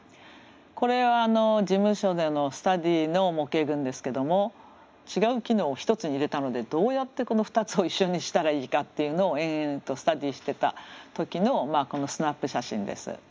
これは事務所でのスタディーの模型群ですけども違う機能を１つに入れたのでどうやってこの２つを一緒にしたらいいかっていうのを延々とスタディーしてた時のスナップ写真です。